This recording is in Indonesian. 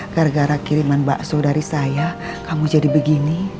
gara gara kiriman bakso dari saya kamu jadi begini